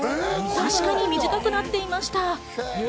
確かに短くなっていました。